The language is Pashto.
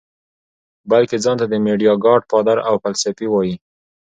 بلکه ځان ته د ميډيا ګاډ فادر او فلسفي وائي -